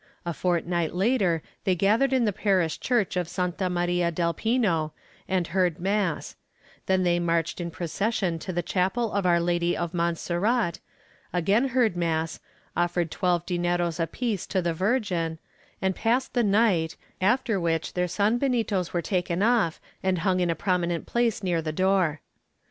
A fortnight later they gathered in the parish church of Santa Maria del Pino and heard mass ; then they marched in procession to the chapel of Our Lady of Monserrat, again heard mass, offered twelve dineros apiece to the Virgin, and passed the night, after which their sanbenitos were taken off and hung in a prominent place near the door.